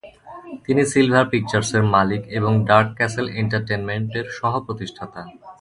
তিনি সিলভার পিকচার্সের মালিক এবং ডার্ক ক্যাসল এন্টারটেইনমেন্টের সহ-প্রতিষ্ঠাতা।